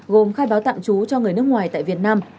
gồm khai báo tạm trú cho người nước ngoài tại việt nam